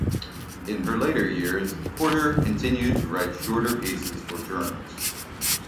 In her later years, Porter continued to write shorter pieces for journals.